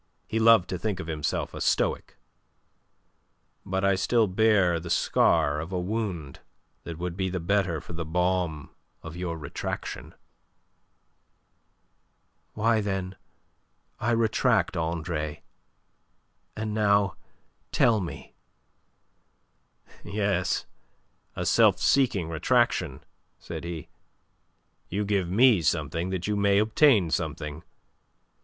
He loved to think himself a Stoic. "But I still bear the scar of a wound that would be the better for the balm of your retraction." "Why, then, I retract, Andre. And now tell me." "Yes, a self seeking retraction," said he. "You give me something that you may obtain something."